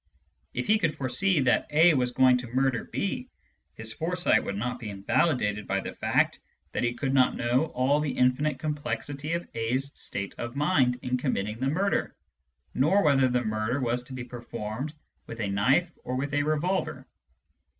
If he could foresee that A was going to murder B, his foresight would not be invalidated by the fact that he could not know all the infinite complexity of A*s state of mind in committing the murder, nor whether the murder was to be performed with a knife or with a revolver.